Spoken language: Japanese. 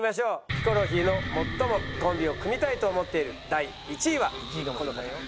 ヒコロヒーの最もコンビを組みたいと思ってる第１位は。